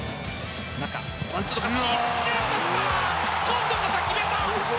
今度こそ決めた！